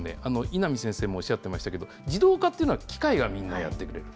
稲見先生もおっしゃってましたけど、自動化というのは機械がみんなやってくれる。